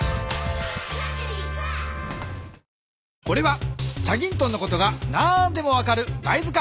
これは『チャギントン』のことが何でも分かるだい